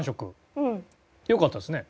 良かったですね。